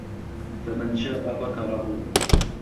فَمَن شاءَ ذَكَرَهُ